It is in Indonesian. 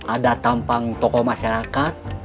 ada tampang tokoh masyarakat